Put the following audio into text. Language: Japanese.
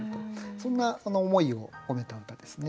そんな思いを込めた歌ですね。